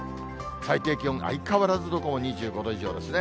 最低気温、相変わらず、どこも２５度以上ですね。